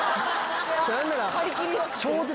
何なら。